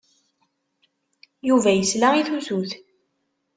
Yuba yesla i tusut.